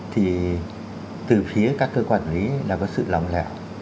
thì từ phía các cơ quan lý là có sự lỏng lẽo